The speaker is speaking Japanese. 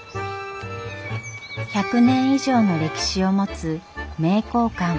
１００年以上の歴史を持つ名教館。